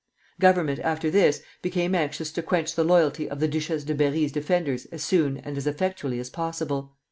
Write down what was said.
Government after this became anxious to quench the loyalty of the Duchesse de Berri's defenders as soon and as effectually as possible.